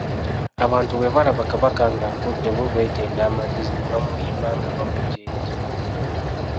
Abantu bwe baalaba Kabaka ng'afudde bo beetenda amagezi ne bamuyimba ng'abamujeeja.